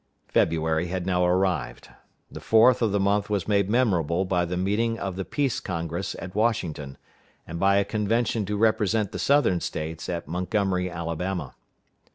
February had now arrived. The 4th of the month was made memorable by the meeting of the Peace Congress at Washington, and by a convention to represent the Southern States at Montgomery, Alabama.